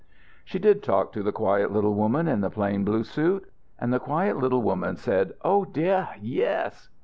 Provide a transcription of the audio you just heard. She did talk to the quiet little woman in the plain blue suit. And the quiet little woman said: "Oh, dear, yes!"